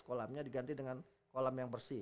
kolamnya diganti dengan kolam yang bersih